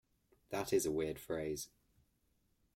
That is a weird phrase.